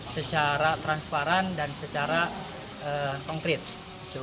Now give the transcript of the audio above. secara transparan dan secara konkret